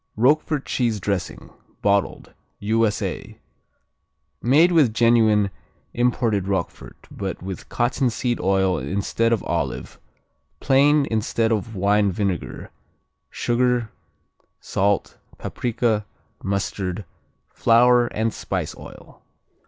Roquefort cheese dressing, bottled U.S.A. Made with genuine imported Roquefort, but with cottonseed oil instead of olive, plain instead of wine vinegar, sugar, salt, paprika, mustard, flour and spice oil.